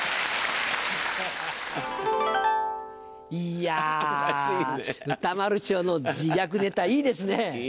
いや歌丸師匠の自虐ネタいいですね。